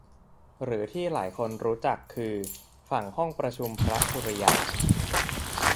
หรือที่หลายคนรู้จักคือฝั่งห้องประชุมพระสุริยัน